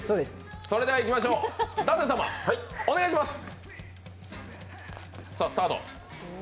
それではいきましょう舘様お願いします。